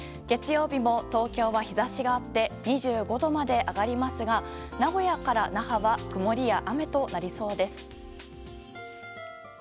月曜日も、東京は日差しがあって２５度まで上がりますが名古屋から那覇は曇りや雨となりそうです。